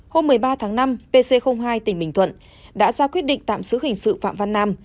hôm một mươi ba tháng năm pc hai tỉnh bình thuận đã ra quyết định tạm giữ hình sự phạm văn nam